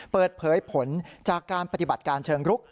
เปิดเผยผลจากการปฏิบัติการเชิงรุก